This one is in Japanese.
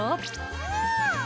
うん！